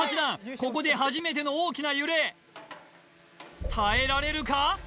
ここで初めての大きな揺れ耐えられるか？